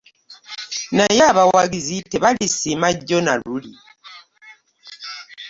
Naye abawagizi tebalisiima jjo na luli.